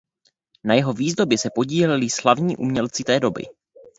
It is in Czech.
Na jeho výzdobě se podíleli slavní umělci té doby.